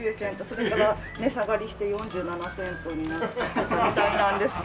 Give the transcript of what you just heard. それから値下がりして４７セントになったみたいなんですけど。